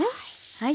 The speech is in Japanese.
はい。